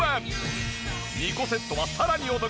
２個セットはさらにお得！